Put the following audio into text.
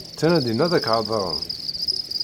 Ttnadin ad ak-hedṛen.